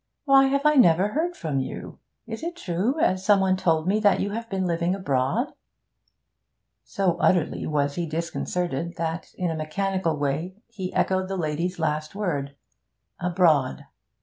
Why have I never heard from you? Is it true, as some one told me, that you have been living abroad?' So utterly was he disconcerted, that in a mechanical way he echoed the lady's last word: 'Abroad.'